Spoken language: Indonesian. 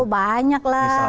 oh banyak lah